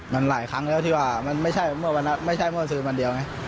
มันหลายครั้งแล้วที่ว่ามันไม่ใช่เมื่อคืนวันเดียวไง